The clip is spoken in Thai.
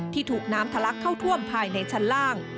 ถูกน้ำทะลักเข้าท่วมภายในชั้นล่าง